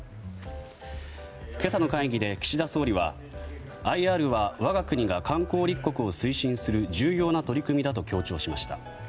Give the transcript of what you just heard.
今朝の会議で岸田総理はＩＲは我が国が観光立国を推進する、重要な取り組みだと強調しました。